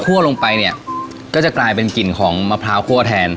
พอมันข้วลงไปเนี่ยก็จะกลายเป็นกินของมะพร้าวคู่อ่ะแทน